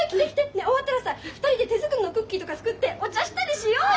ねっ終わったらさ２人で手作りのクッキーとか作ってお茶したりしようよ！